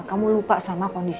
kamu lupa sama kondisi